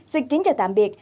xin kính chào tạm biệt